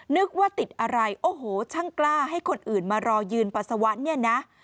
นึกว่าติดอะไรโอ้โหช่างกล้าให้คนอื่นมารอยืนปัสสาวะเนี่ยนะ